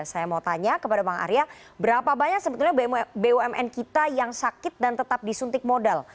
saya mau tanya kepada bang arya berapa banyak sebetulnya bumn kita yang sakit dan tetap disuntik modal